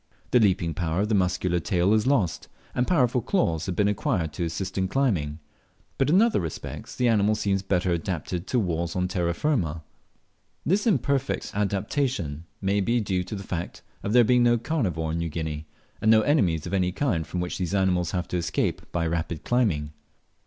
The leaping power of the muscular tail is lost, and powerful claws have been acquired to assist in climbing, but in other respects the animal seems better adapted to walls on terra firma. This imperfect adaptation may be due to the fact of there being no carnivore in New Guinea, and no enemies of any kind from which these animals have to escape by rapid climbing.